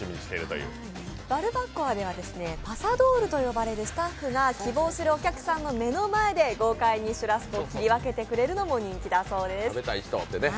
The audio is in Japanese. ＢＡＲＢＡＣＯＡではパサドールと呼ばれるスタッフが希望するお客さんの目の前で豪快なシュラスコを切り分けてくれるのも人気だそうです。